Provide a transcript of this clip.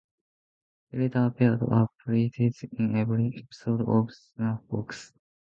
He later appeared as a priest in every episode of "Snuff Box".